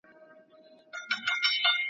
هغه وطن مي راته تنور دی ,